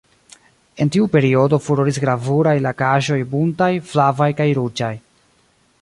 En tiu periodo furoris gravuraj lakaĵoj buntaj, flavaj kaj ruĝaj.